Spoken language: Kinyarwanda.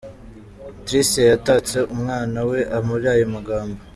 Tricia yatatse umwana we muri aya magambo.